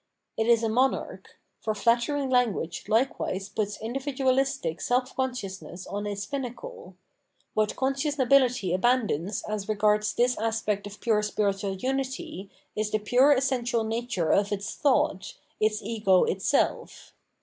It is a monarch ; for flattering language likewise puts individualistic self consciousness on its pinnacle; what conscious nobility abandons as regards this aspect of pure spiritual unity is the pure essential nature of its thought, its ego itself.